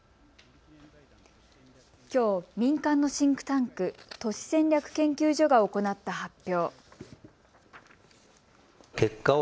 きょう、民間のシンクタンク、都市戦略研究所が行った発表。